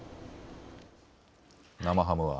生ハムは？